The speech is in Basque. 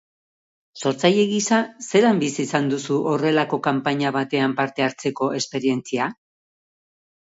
Sortzaile gisa, zelan bizi izan duzu horrelako kanpaina batean parte hartzeko esperientzia?